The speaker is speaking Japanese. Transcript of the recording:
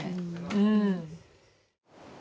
うん。